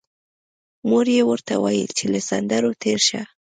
مور یې ورته ویل چې له سندرو تېر شه